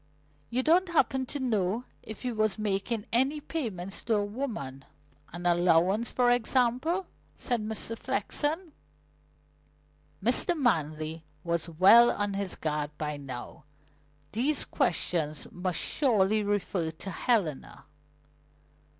"You don't happen to know if he was making any payments to a woman an allowance, for example?" said Mr. Flexen. Mr. Manley was well on his guard by now. These questions must surely refer to Helena.